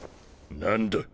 何だ？